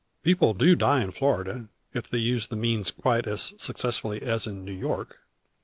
People do die in Florida, if they use the means quite as successfully as in New York.